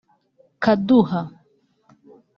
Kaduha